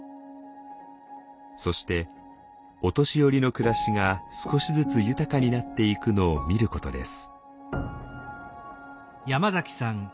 そしてお年寄りの暮らしが少しずつ豊かになっていくのを見ることです。